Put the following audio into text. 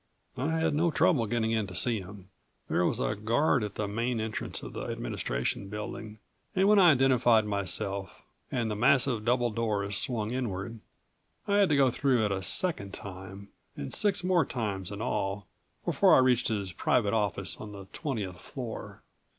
I had no trouble getting in to see him. There was a guard at the main entrance of the Administration Building, and when I identified myself and the massive, double doors swung inward I had to go through it a second time, and six more times in all before I reached his private office on the twentieth floor.